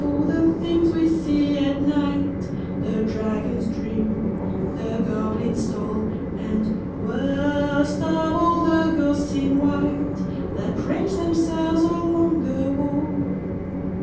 the things we see at night The dragons grim, the goblins tall, And, worst of all, the ghosts in white That range themselves along the wall!